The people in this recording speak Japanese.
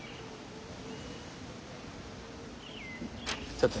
ちょっと。